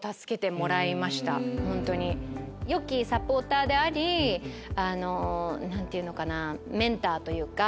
よきサポーターであり何ていうのかなメンターというか。